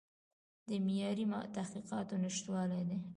د معیاري تحقیقاتو نشتوالی دی.